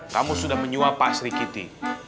kamu sudah menyuap pak sri kiti